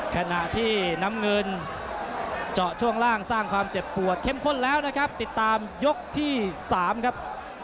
ขณะที่น้ำเงินเจาะช่วงล่างสร้างความเจ็บปวดเข้มข้นแล้วนะครับติดตามยกที่๓ครับ